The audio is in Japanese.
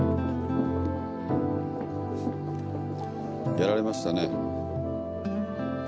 やられましたね。